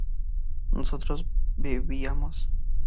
¿nosotros bebíamos?